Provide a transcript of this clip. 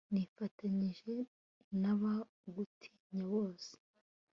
nifatanyije n'abagutinya bose